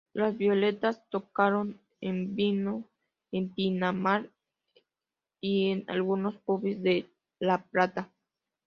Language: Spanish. Las Violetas tocaron en vivo en Pinamar y en algunos pubs de La Plata.